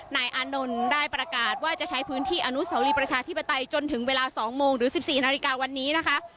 นายอานนท์ได้ประกาศว่าจะใช้พื้นที่อนุสาวรีประชาธิปไตยจนถึงเวลา๒โมงหรือ๑๔นาฬิกาวันนี้นะคะ